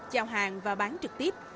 giao hàng và bán trực tiếp